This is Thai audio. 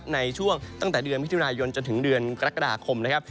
ในช่วงตั้งแต่เดือนมิถุนายนจนถึงเดือนกรกฎาคมนะครับ